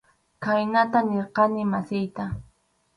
Khaynata nirqani masiyta.